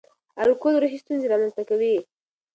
الکول روحي ستونزې رامنځ ته کوي.